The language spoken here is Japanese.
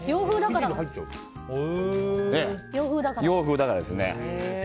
洋風だから。